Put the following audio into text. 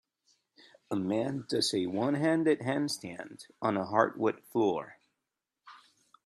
A man does a one handed handstand on a hardwood floor.